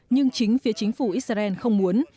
nhưng chính phía chính phủ israel không muốn